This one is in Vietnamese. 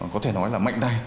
có thể nói là mạnh tay